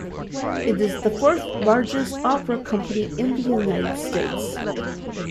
It is the fourth-largest opera company in the United States.